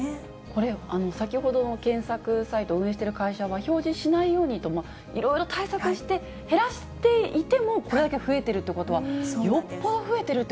これ、先ほどの検索サイトを運営している会社は、表示しないようにと、いろいろ対策して、減らしていてもこれだけ増えてるってことは、よっぽど増えてるっ